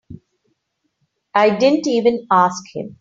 I didn't even ask him.